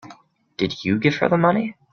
Did you give her the money?